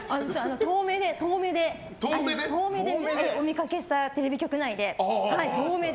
遠目でお見かけしたテレビ局内で。